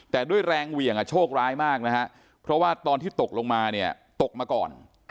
แต่ด้วยแรงเหวี่ยงโชคร้ายมากนะฮะเพราะว่าตอนที่ตกลงมาเนี่ยตกมาก่อน